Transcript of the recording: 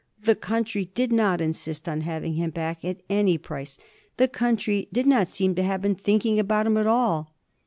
The country did not insist on having him back at any price ; the country did not seem to have been thinking about him at all.